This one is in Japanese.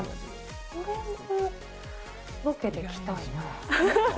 これもロケで着たいな。